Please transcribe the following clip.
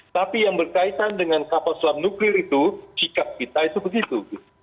tapi yang berkaitan dengan kapal selam nuklir itu sikap kita itu begitu